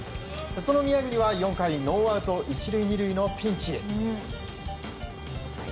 その宮國は４回ノーアウト１塁２塁のピンチ。